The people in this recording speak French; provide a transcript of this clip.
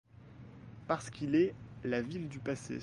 Parce qu'il est la ville du passé.